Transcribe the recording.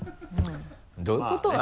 どういうことだ？